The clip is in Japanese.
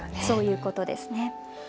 そういうことですね。